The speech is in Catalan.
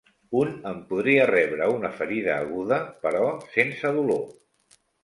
Un en podria rebre una ferida aguda, però sense dolor.